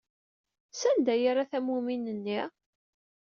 Sanda ay yerra tammumin-nni?